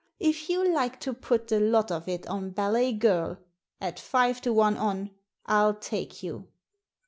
If you like to put the lot of it on Ballet Girl, at five to one on, I'll take you."